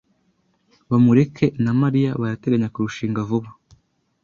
Bamureke na Mariya barateganya kurushinga vuba.